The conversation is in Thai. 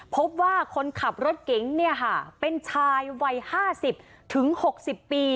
พบว่าคนขับรถเก๋งเนี่ยค่ะเป็นชายวัยห้าสิบถึงหกสิบปี